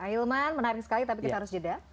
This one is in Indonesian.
ah yomar menarik sekali tapi kita harus jeda